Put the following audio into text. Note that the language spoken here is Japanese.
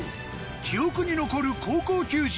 記憶に残る高校球児